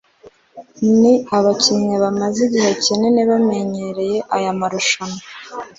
ni abakinnyi bamaze igihe kinini cyane bamenyereye aya marushanwa